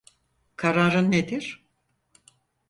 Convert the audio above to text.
Kararın nedir?